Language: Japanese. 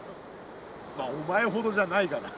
まあお前ほどじゃないがな。